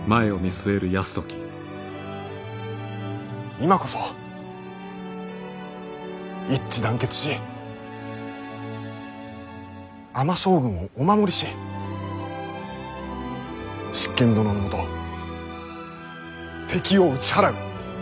今こそ一致団結し尼将軍をお守りし執権殿のもと敵を打ち払う。